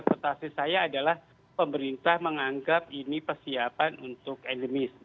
prestasi saya adalah pemerintah menganggap ini persiapan untuk endemis